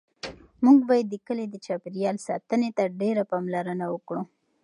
موږ باید د کلي د چاپیریال ساتنې ته ډېره پاملرنه وکړو.